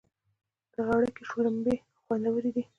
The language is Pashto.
د غړکی شلومبی خوندوری وی.